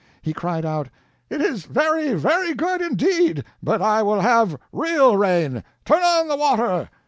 He cried out: "It is very, very good, indeed! But I will have real rain! Turn on the water!"